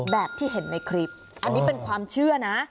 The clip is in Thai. แบบที่เห็นในคลิปอันนี้เป็นความเชื่อนะ